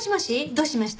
どうしました？